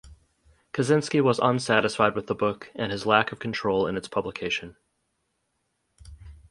Kaczynski was unsatisfied with the book and his lack of control in its publication.